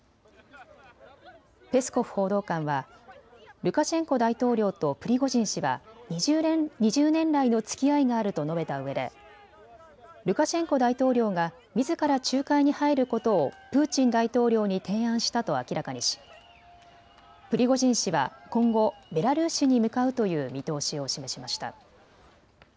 ペスコフ報道官はルカシェンコ大統領とプリゴジン氏は２０年来のつきあいがあると述べたうえでルカシェンコ大統領がみずから仲介に入ることをプーチン大統領に提案したと明らかにしプリゴジン氏は今後ベラルーシに向かうという見通しを示しました。